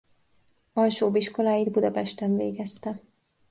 Alsóbb iskoláit Budapesten végezte.